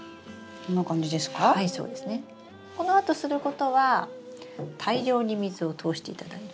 このあとすることは大量に水を通していただいて。